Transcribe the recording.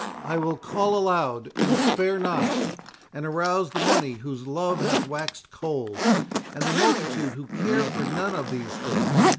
I will call aloud, and spare not, and arouse the many whose love hath waxed cold, and the multitude who care for none of these things.